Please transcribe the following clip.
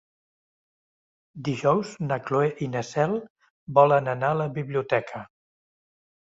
Dijous na Cloè i na Cel volen anar a la biblioteca.